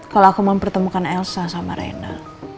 kalau aku mau pertemukan elsa sama reina